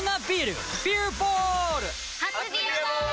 初「ビアボール」！